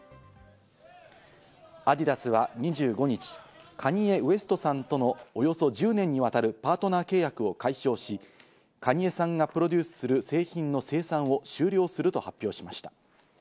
アディダスは２５日、カニエ・ウエストさんとのおよそ１０年にわたるパートナー契約を解消し、カニエさんがプロデュースする製品の生産を終了すると発表しました。